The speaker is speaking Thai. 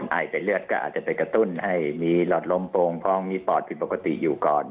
ไอแต่เลือดก็อาจจะไปกระตุ้นให้มีหลอดลมโปรงพองมีปอดผิดปกติอยู่ก่อน